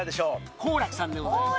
幸楽さんでございます。